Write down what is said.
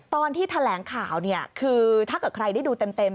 ตอนที่แถลงข่าวเนี่ยคือถ้าเกิดใครได้ดูเต็ม